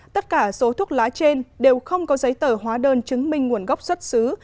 tất cả số thuốc lá trên đều không có giấy tờ hóa đơn chứng minh nguồn gốc xuất xứ